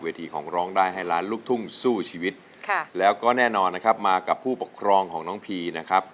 ทีของร้องได้ให้ล้านลูกทุ่งสู้ชีวิตค่ะแล้วก็แน่นอนนะครับมากับผู้ปกครองของน้องพีนะครับ